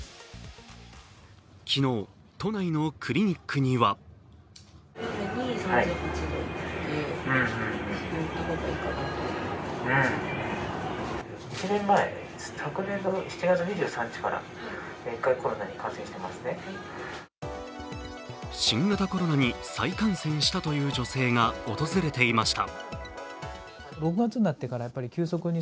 昨日、都内のクリニックには新型コロナに再感染したという女性が訪れていました。